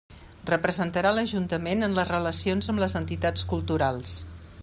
Representarà l'ajuntament en les relacions amb les entitats culturals.